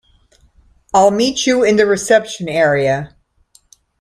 I'll meet you in the reception area.